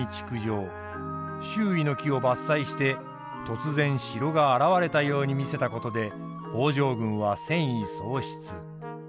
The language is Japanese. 周囲の木を伐採して突然城が現れたように見せたことで北条軍は戦意喪失。